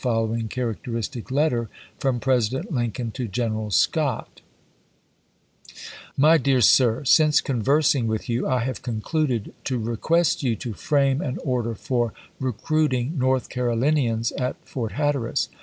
lowing characteristic letter from President Lincoln to General Scott : My Dear Sir : Since conversing with you I have con cluded to request you to frame an order for recruiting North Carolinians at Fort Hatteras.